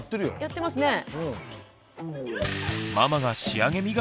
やってますね。